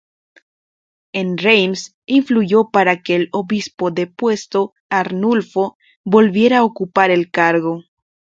En Reims influyó para que el obispo depuesto, Arnulfo, volviera a ocupar el cargo.